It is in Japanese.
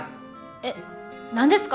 え何ですか？